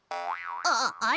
あっあれ？